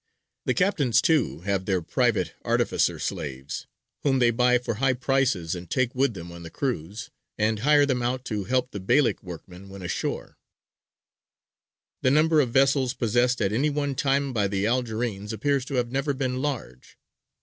The captains, too, have their private artificer slaves, whom they buy for high prices and take with them on the cruise, and hire them out to help the Beylik workmen when ashore. The number of vessels possessed at any one time by the Algerines appears to have never been large.